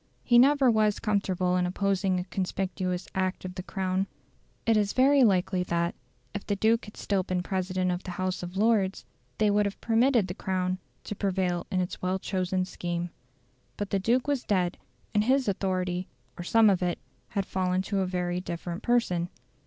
He never was comfortable in opposing a conspicuous act of the Crown. It is very likely that, if the Duke had still been the president of the House of Lords, they would have permitted the Crown to prevail in its well chosen scheme. But the Duke was dead, and his authority or some of it had fallen to a very different person.